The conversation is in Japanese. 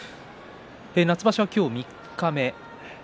夏場所は今日、三日目です。